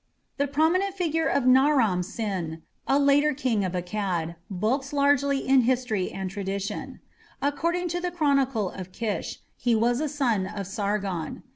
The prominent figure of Naram Sin, a later king of Akkad, bulks largely in history and tradition. According to the Chronicle of Kish, he was a son of Sargon.